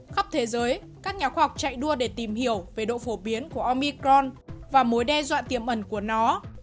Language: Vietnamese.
khắp thế giới các nhà khoa học chạy đua để tìm hiểu về độ phổ biến của omicron và mối đe dọa tiềm ẩn của nó